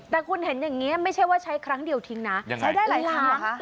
แต่คุณเห็นอย่างนี้ไม่ใช่ว่าใช้ครั้งเดียวทิ้งนะยังไงใช้ได้หลายหลังเหรอคะ